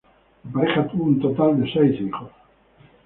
La pareja tuvo un total de seis hijos.